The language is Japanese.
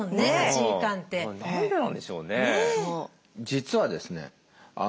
実はですね